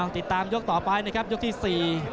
ติดตามยกต่อไปนะครับยกที่๔